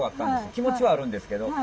気持ちはあるんですけど。